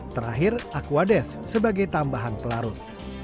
terakhir aquades sebagai tambahan pelarut